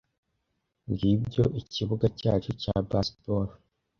Ngibyo ikibuga cyacu cya baseball.